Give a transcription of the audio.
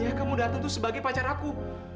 ya kamu datang tuh sebagai pacar aku